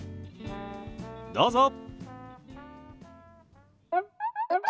どうぞ。